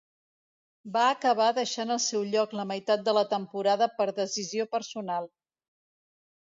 Va acabar deixant el seu lloc la meitat de la temporada per decisió personal.